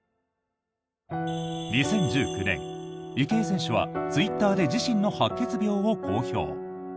２０１９年池江選手はツイッターで自身の白血病を公表。